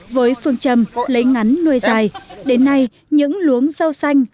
với phương châm lấy ngắn nuôi dài đến nay những luống rau xanh